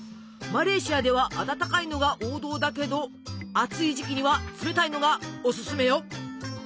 マレーシアでは温かいのが王道だけど暑い時期には冷たいのがオススメよ！